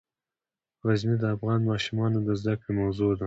غزني د افغان ماشومانو د زده کړې موضوع ده.